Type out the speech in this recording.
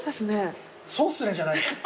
「そうっすね」じゃないよ。